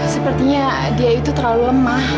sepertinya dia itu terlalu lemah